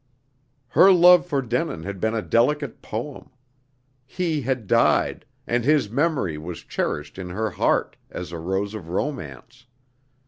Her love for Denin had been a delicate poem. He had died, and his memory was cherished in her heart, as a rose of romance.